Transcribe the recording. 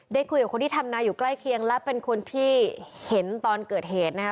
คุยกับคนที่ทำนาอยู่ใกล้เคียงและเป็นคนที่เห็นตอนเกิดเหตุนะคะ